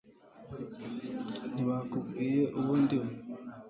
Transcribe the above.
ntibakubwiye uwo ndiwe